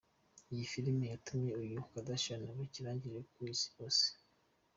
Iyi filimi yatumye uyu Kardashian aba ikirangirire ku isi yose.